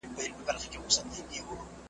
باران وچې ځمکې ژوندۍ کوي.